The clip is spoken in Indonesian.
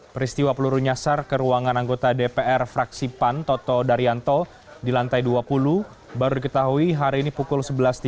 peristiwa peluru nyasar ke ruangan anggota dpr fraksi pan toto daryanto di lantai dua puluh baru diketahui hari ini pukul sebelas tiga puluh